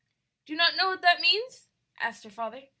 "Do you not know what that means?" asked her father.